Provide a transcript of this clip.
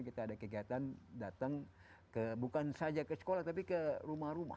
kita ada kegiatan datang ke bukan saja ke sekolah tapi ke rumah rumah